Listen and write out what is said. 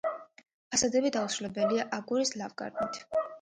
ფასადები დასრულებულია აგურის ლავგარდნით.